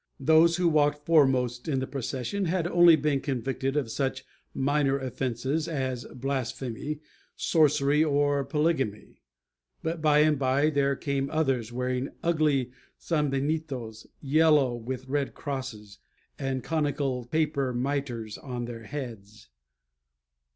[#] Report of De Pegna. Those who walked foremost in the procession had only been convicted of such minor offences as blasphemy, sorcery, or polygamy. But by and by there came others, wearing ugly sanbenitos yellow, with red crosses and conical paper mitres on their heads.